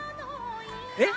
えっ？